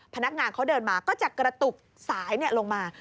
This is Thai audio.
พนักงานเขาเดินมาก็จะกระตุกสายลงมา